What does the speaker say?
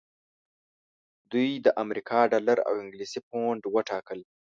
دوی د امریکا ډالر او انګلیسي پونډ وټاکل.